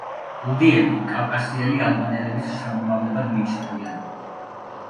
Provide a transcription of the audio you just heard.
უდიები კავკასიელი ალბანელების შთამომავლებად მიიჩნევიან.